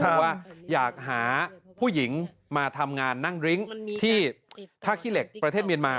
เพราะว่าอยากหาผู้หญิงมาทำงานนั่งดริ้งที่ท่าขี้เหล็กประเทศเมียนมา